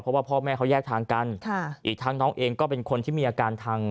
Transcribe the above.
เพราะว่าพ่อแม่เขาแยกทางกันค่ะอีกทั้งน้องเองก็เป็นคนที่มีอาการทาง